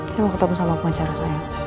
saya mau ketemu sama pengacara saya